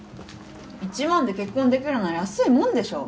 １万で結婚できるなら安いもんでしょ